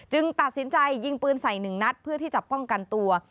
ตัดสินใจยิงปืนใส่หนึ่งนัดเพื่อที่จะป้องกันตัว